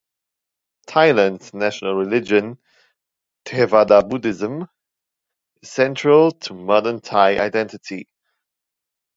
Thailand's national religion, Theravada Buddhism, is central to modern Thai identity.